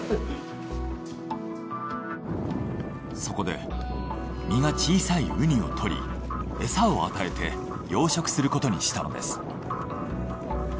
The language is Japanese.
そこで身が小さいウニを採りエサを与えて養殖することにしたのです。